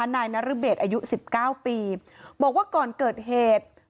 นายนรเบศอายุ๑๙ปีบอกว่าก่อนเกิดเหตุ